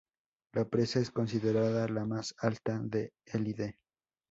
La presa es considerada la más alta de Élide.